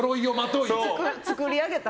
作り上げた。